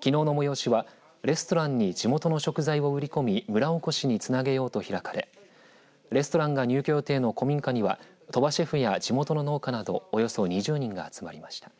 きのうの催しはレストランに地元の食材を売り込み村おこしにつなげようと開かれレストランが入居予定の古民家には鳥羽シェフや地元の農家などおよそ２０人が集まりました。